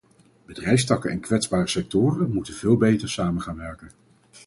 Bedrijfstakken en kwetsbare sectoren moeten veel beter samen gaan werken.